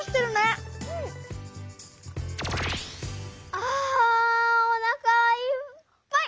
あおなかいっぱい！